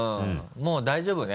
もう大丈夫ね？